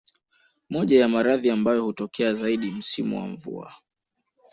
Moja ya maradhi ambayo hutokea zaidi msimu wa mvua